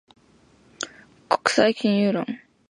国際金融論